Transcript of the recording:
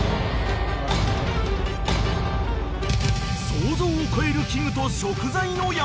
［想像を超える器具と食材の山］